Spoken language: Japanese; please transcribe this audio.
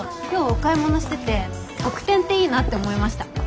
今日お買い物してて特典っていいなって思いました。